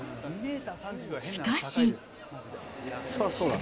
しかし。